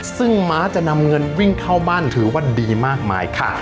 ซึ่งม้าจะนำเงินวิ่งเข้าบ้านถือว่าดีมากมายค่ะ